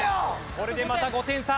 これでまた５点差。